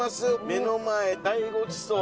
目の前大ごちそう。